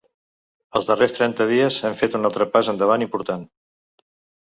Els darrers trenta dies hem fet un altre pas endavant important.